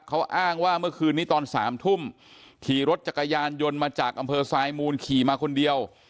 เขาอ้างว่าเมื่อคืนนี้ตอน๓ทุ่มขี่รถจักรยานยนต์มาจากอำเภอทรายมูลขี่มาคนเดียว